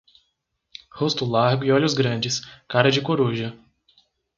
Rosto largo e olhos grandes, cara de coruja.